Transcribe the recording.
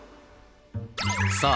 ．さあ